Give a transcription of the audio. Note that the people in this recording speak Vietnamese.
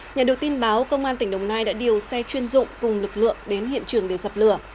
nhận được tin báo công an tỉnh đồng nai đã điều xe chuyên dụng cùng lực lượng đến hiện trường để dập lửa